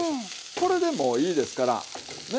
これでもういいですからね。